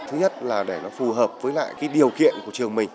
thứ nhất là để nó phù hợp với lại cái điều kiện của trường mình